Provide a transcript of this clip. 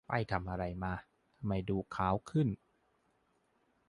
ไปทำอะไรมาทำไมดูขาวขึ้น